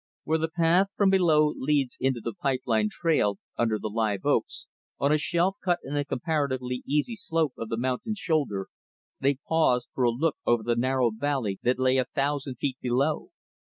Where the path from below leads into the pipe line trail, under the live oaks, on a shelf cut in the comparatively easy slope of the mountain's shoulder, they paused for a look over the narrow valley that lay a thousand feet below.